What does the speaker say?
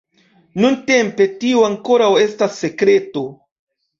Nuntempe, tio ankoraŭ estas sekreto!